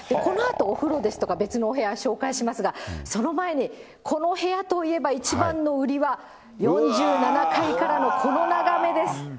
お風呂ですとか、別のお部屋紹介しますが、その前に、この部屋といえば、一番の売りは、４７階からのこの眺めです。